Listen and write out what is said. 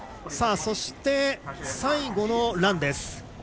そして、最後のランです。